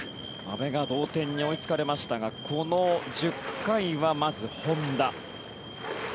阿部が同点に追いつかれましたがこの１０回は、まず本田。